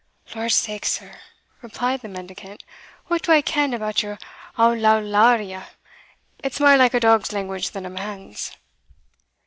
"Lordsake, sir," replied the mendicant, "what do I ken about your Howlowlaria? it's mair like a dog's language than a man's."